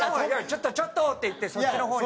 「ちょっとちょっと！」って言ってそっちの方に。